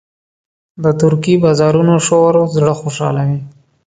د ترکي بازارونو شور زړه خوشحالوي.